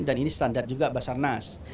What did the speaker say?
dan ini standar juga basarnas